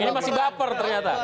ini masih baper ternyata